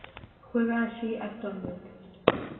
Juega allí actualmente.